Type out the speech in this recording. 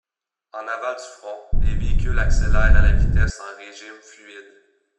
En aval du front, les véhicules accélèrent à la vitesse en régime fluide.